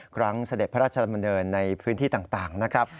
เสด็จพระราชดำเนินในพื้นที่ต่างนะครับ